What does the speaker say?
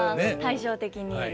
対照的に。